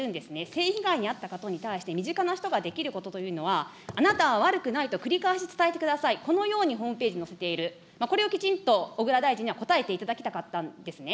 性被害に遭った方に対して、身近な人ができることというのは、あなたは悪くないと繰り返し伝えてください、このようにホームページに載せている、これをきちんと小倉大臣には答えていただきたかったんですね。